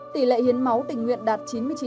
tỷ lệ hiến máu tình nguyện đạt chín mươi chín